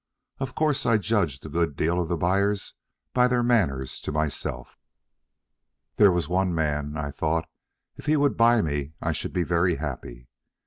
Of course, I judged a good deal of the buyers by their manners to myself. There was one man, I thought, if he would buy me, I should be happy.